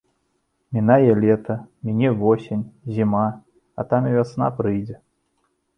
Мінае лета, міне восень, зіма, а там і вясна прыйдзе.